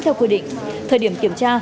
theo quy định thời điểm kiểm tra